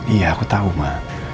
iya aku tahu ma